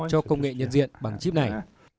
cho công nghệ nhận diện bằng chip này